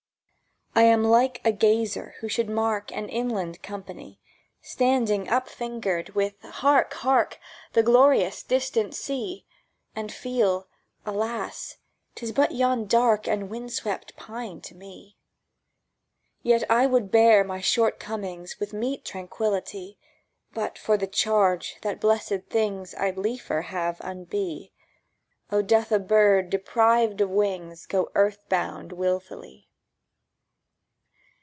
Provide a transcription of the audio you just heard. I am like a gazer who should mark An inland company Standing upfingered, with, "Hark! hark! The glorious distant sea!" And feel, "Alas, 'tis but yon dark And wind swept pine to me!" Yet I would bear my shortcomings With meet tranquillity, But for the charge that blessed things I'd liefer have unbe. O, doth a bird deprived of wings Go earth bound wilfully!